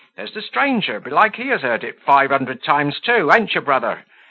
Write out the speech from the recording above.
There's the stranger, belike he has heard it five hundred times too; han't you, brother?"